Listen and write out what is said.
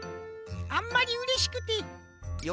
あんまりうれしくてよ